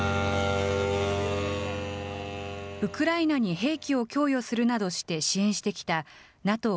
ウクライナに兵器を供与するなどして、支援してきたＮＡＴＯ